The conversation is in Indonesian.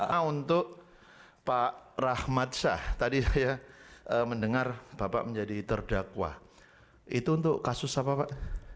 nah untuk pak rahmat syah tadi saya mendengar bapak menjadi terdakwa itu untuk kasus apa pak